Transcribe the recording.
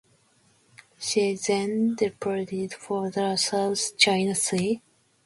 She then departed for the South China Sea.